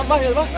klub anak jalanan